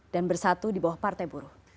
dan bersatu di bawah partai buruh